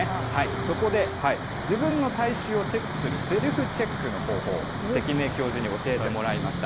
そこで、自分の体臭をチェックするセルフチェックの方法、関根教授に教えてもらいました。